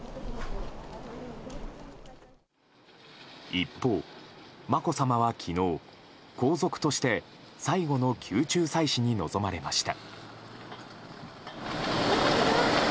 一方、まこさまは昨日皇族として最後の宮中祭祀に臨まれました。